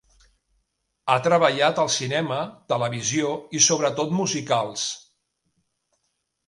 Ha treballat al cinema, televisió i sobretot musicals.